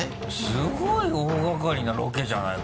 すごい大がかりなロケじゃない？